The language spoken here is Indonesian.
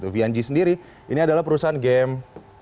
vng sendiri ini adalah perusahaan game